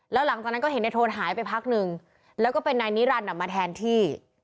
แล้วหลังจากนั้นก็เห็นในโทนหายไปพักนึงแล้วก็เป็นนายนิรันดิ์มาแทนที่